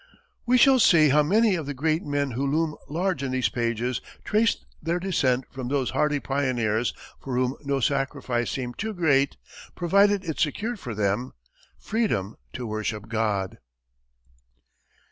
We shall see how many of the great men who loom large in these pages traced their descent from those hardy pioneers for whom no sacrifice seemed too great provided it secured for them "Freedom to worship God."